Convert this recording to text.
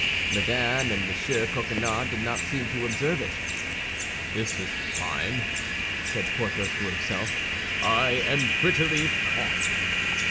M. and Mme. Coquenard did not seem to observe it. "This is fine!" said Porthos to himself; "I am prettily caught!"